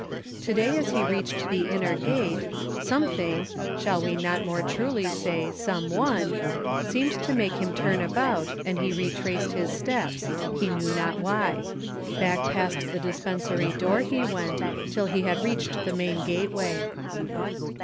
To day as he reached the inner gate, something, shall we not more truly say, Someone, seemed to make him turn about, and he retraced his steps, he knew not why; back past the dispensary door he went till he had reached the main gateway.